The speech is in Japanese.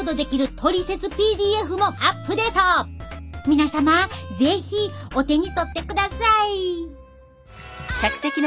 皆様是非お手に取ってください。